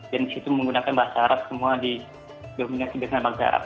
dan di situ menggunakan bahasa arab semua di dominasi dengan bangsa arab